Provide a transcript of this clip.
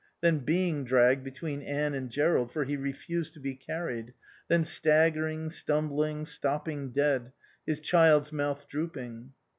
Then being dragged between Anne and Jerrold (for he refused to be carried). Then staggering, stumbling, stopping dead; his child's mouth drooping.